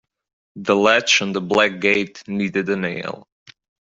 The latch on the back gate needed a nail.